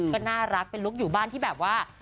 ก็น่ารักเป็นลุคอยู่บ้านที่แบบว่า